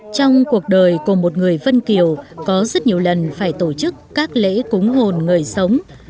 trong cuộc đời của một người vân kiều có rất nhiều lần phải tổ chức các lễ cúng hồn người sống